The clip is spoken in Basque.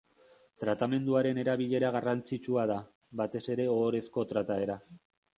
Tratamenduaren erabilera garrantzitsua da, batez ere ohorezko trataera.